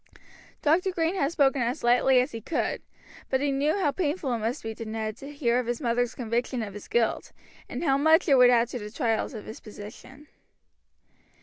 Dr. Green had spoken as lightly as he could, but he knew how painful it must be to Ned to hear of his mother's conviction of his guilt, and how much it would add to the trials of his position.